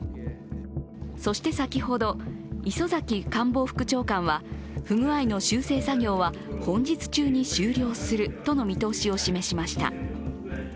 そして先ほど、磯崎官房副長官は、不具合の修正作業は本日中に終了するとの見通しを示しました。